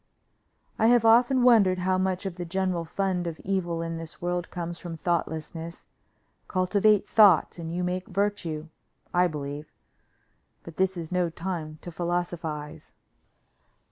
I have often wondered how much of the general fund of evil in this world comes from thoughtlessness. Cultivate thought and you make virtue I believe. But this is no time to philosophize.